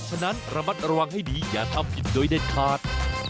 ฉะนั้นระมัดระวังให้ดีอย่าทำผิดโดยเด็ดขาด